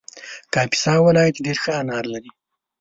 کاپیسا ولایت ډېر ښه انار لري